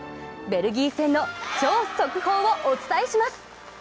ベルギー戦の超速報をお伝えします！